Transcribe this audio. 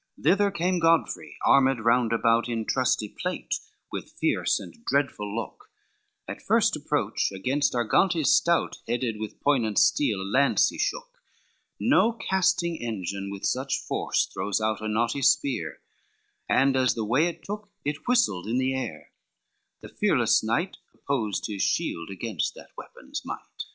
LXXVIII Thither came Godfrey armed round about In trusty plate, with fierce and dreadful look; At first approach against Argantes stout Headed with poignant steel a lance he shook, No casting engine with such force throws out A knotty spear, and as the way it took, It whistled in the air, the fearless knight Opposed his shield against that weapon's might.